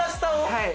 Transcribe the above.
はい。